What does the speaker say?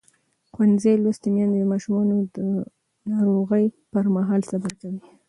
ښوونځې لوستې میندې د ماشومانو د ناروغۍ پر مهال صبر کوي.